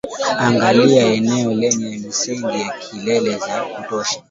angalia eneo lenye misingi ya kelele za kutosha